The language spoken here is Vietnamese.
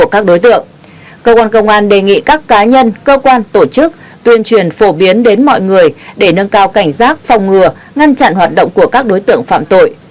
cơ quan công an đề nghị các cá nhân cơ quan tổ chức tuyên truyền phổ biến đến mọi người để nâng cao cảnh giác phòng ngừa ngăn chặn hoạt động của các đối tượng phạm tội